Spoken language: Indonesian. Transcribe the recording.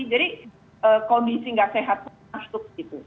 jadi kondisi gak sehat masuk gitu